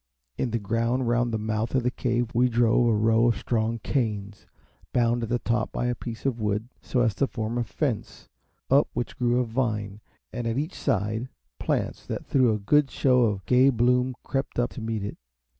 In the ground round the mouth of the Cave we drove a row of strong canes, bound at the top to a piece of wood, so as to form a fence, up which grew a vine, and, at each side, plants that threw a good show of gay bloom crept up to meet it.